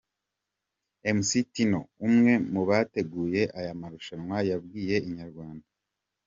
Mc Tino umwe mu bateguye aya marushanwa yabwiye Inyarwanda.